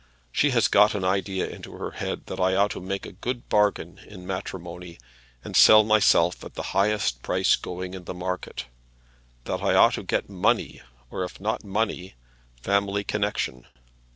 She has got an idea into her head that I ought to make a good bargain in matrimony, and sell myself at the highest price going in the market; that I ought to get money, or if not money, family connexion.